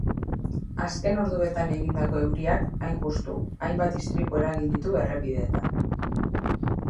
Azken orduetan egindako euriak, hain justu, hainbat istripu eragin ditu errepideetan.